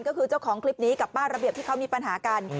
ก็คือเจ้าของคลิปนี้กับป้าระเบียบที่เขามีปัญหากัน